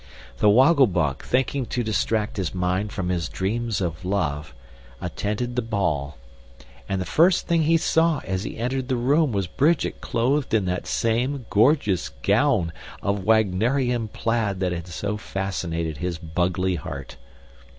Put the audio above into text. The Woggle Bug, thinking to distract his mind from his dreams of love, attended the hall, and the first thing he saw as he entered the room was Bridget clothed in that same gorgeous gown of Wagnerian plaid that had so fascinated his bugly heart.